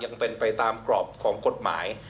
ยังเป็นไปตามกรอบของกฎหมาย